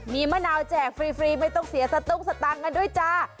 มีมะนาวแจกฟรีไม่ต้องเสียสตุ้งสตังค์กันด้วยจ้า